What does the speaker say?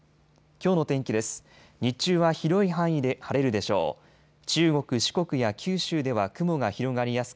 きょうの天気です。